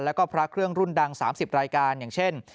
แล้วก็พระเครื่องรุ่นดัง๓๐รายการอย่างเช่น